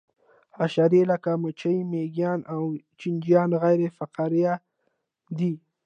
حشرې لکه مچۍ مېږیان او چینجیان غیر فقاریه دي